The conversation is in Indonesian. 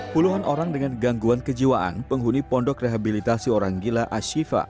puluhan orang dengan gangguan kejiwaan penghuni pondok rehabilitasi orang gila ashifa